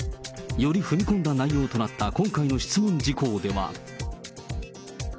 より踏み込んだ内容となった今回の質問事項では。